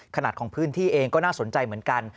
ขนาดของพื้นที่เองก็น่าสนใจเหมือนกัน